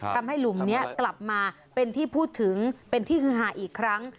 หลุมนี้กลับมาเป็นที่พูดถึงเป็นที่ฮือหาอีกครั้ง